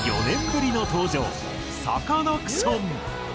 ４年ぶりの登場サカナクション。